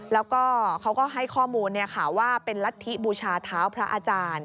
แล้วก็เขาก็ให้ข้อมูลว่าเป็นรัฐธิบูชาเท้าพระอาจารย์